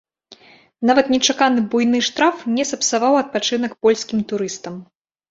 Нават нечаканы буйны штраф не сапсаваў адпачынак польскім турыстам.